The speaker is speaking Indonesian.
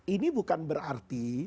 ini bukan berarti